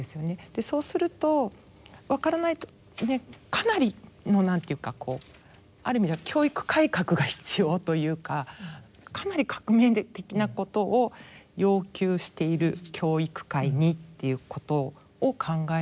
そうするとわからないかなりの何ていうかある意味では教育改革が必要というかかなり革命的なことを要求している教育界にということを考えるんですね。